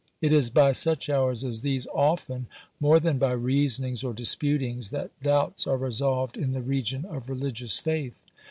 It is by such hours as these often, more than by reasonings or disputings, that doubts are resolved in the region of religious faith.